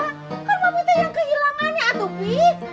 kan mami teh yang kehilangannya atuh pi